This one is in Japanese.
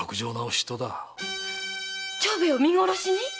長兵衛を見殺しに⁉